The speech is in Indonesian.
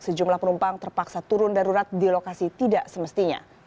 sejumlah penumpang terpaksa turun darurat di lokasi tidak semestinya